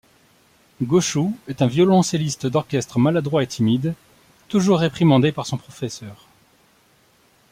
Goshu est un violoncelliste d'orchestre maladroit et timide, toujours réprimandé par son professeur.